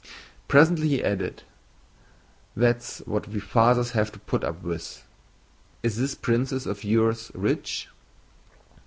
Presently he added: "That's what we fathers have to put up with.... Is this princess of yours rich?"